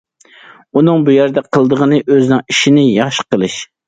ئۇنىڭ بۇ يەردە قىلىدىغىنى ئۆزىنىڭ ئىشىنى ياخشى قىلىش.